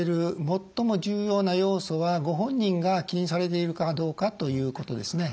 最も重要な要素はご本人が気にされているかどうかということですね。